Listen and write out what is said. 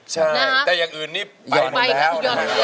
ใช่แต่อย่างอื่นนี้ไปหมดแล้ว